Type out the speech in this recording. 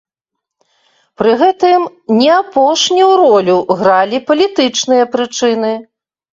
Пры гэтым не апошнюю ролю гралі палітычныя прычыны.